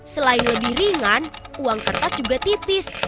selain lebih ringan uang kertas juga tipis